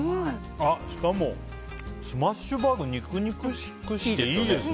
しかも、スマッシュバーグ肉々しくていいですよね。